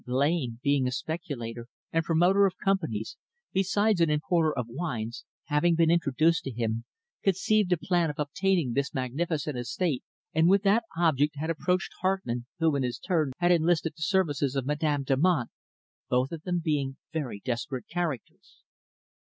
Blain, being a speculator and promoter of companies, besides an importer of wines, having been introduced to him, conceived a plan of obtaining this magnificent estate, and with that object had approached Hartmann who in his turn had enlisted the services of Madame Damant, both of them being very desperate characters.